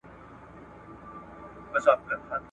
چي د سپوږمۍ په شپه له لیري یکه زار اورمه ..